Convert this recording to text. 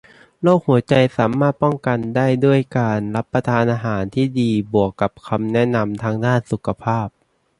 โรคหัวใจสามารถป้องกันได้ด้วยการรับประทานอาหารที่ดีบวกกับคำแนะนำทางด้านสุขภาพ